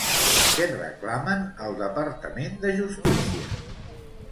Què reclamen al Departament de Justícia?